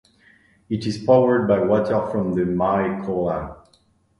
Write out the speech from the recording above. It is powered by water from the Mai Khola.